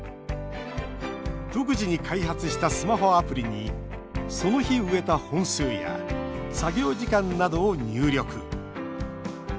独自に開発したスマホアプリにその日、植えた本数や作業時間などを入力。